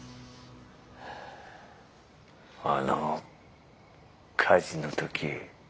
あの火事の時。